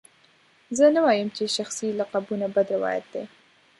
زه نه وایم چې شخصي لقبونه بد روایت دی.